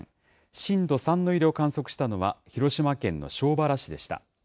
震度３の揺れを観測したのは、広島県の庄原市でした。